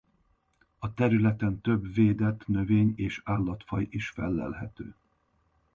A területen több védett növény- és állatfaj is fellelhető.